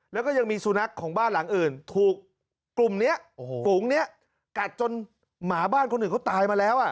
แล้วก็ยังมีสุนัขของบ้านหลังอื่นถูกกลุ่มนี้ฝูงนี้กัดจนหมาบ้านคนอื่นเขาตายมาแล้ว